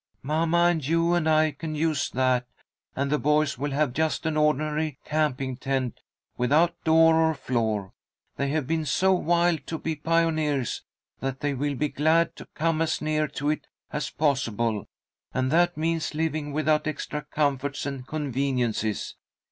Mamma and you and I can use that, and the boys will have just an ordinary camping tent, without door or floor. They have been so wild to be pioneers that they will be glad to come as near to it as possible, and that means living without extra comforts and conveniences.